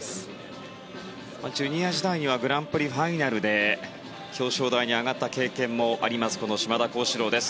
ジュニア時代にはグランプリファイナルで表彰台に上がった経験もあります、島田高志郎。